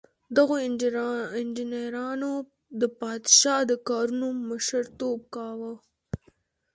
دغو انجینرانو د پادشاه د کارونو مشر توب کاوه.